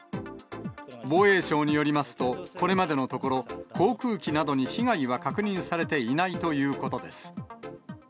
防衛省によりますと、これまでのところ、航空機などに被害は確認されていないということです。